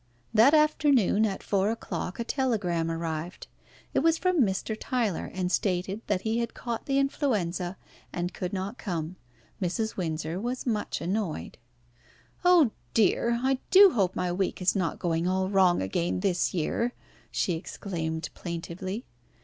That afternoon, at four o'clock, a telegram arrived. It was from Mr. Tyler, and stated that he had caught the influenza, and could not come. Mrs. Windsor was much annoyed. "Oh dear, I do hope my week is not going all wrong again this year!" she exclaimed plaintively.